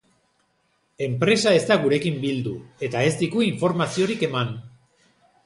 Enpresa ez da gurekin bildu, eta ez digu informaziorik eman.